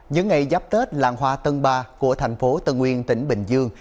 những ngày giáp tết làng hoa tân ba của thành phố tân nguyên tỉnh bình dương